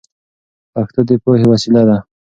پښتو د پوهې وسیله ده.